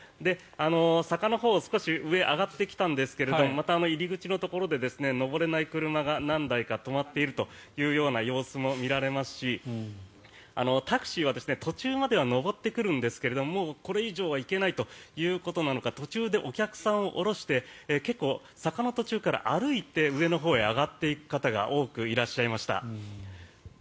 坂のほう少し上に上がってきたんですがまた入り口のところで上れない車が何台か止まっている様子も見られますしタクシーは途中までは上ってくるんですけどもうこれ以上は行けないということなのか途中でお客さんを降ろして結構、坂の途中から歩いて上のほうへ上がっていく方が多くいらっしゃいました。